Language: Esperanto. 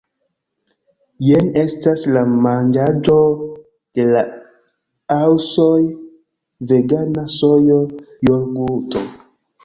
Jen estas la manĝaĵo de la asuoj vegana sojo-jogurto